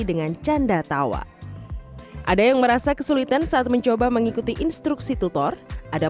dengan canda tawa ada yang merasa kesulitan saat mencoba mengikuti instruksi tutor ada